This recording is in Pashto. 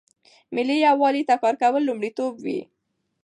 ملي یووالي ته کار کول لومړیتوب وي.